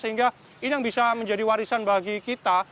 sehingga ini yang bisa menjadi warisan bagi kita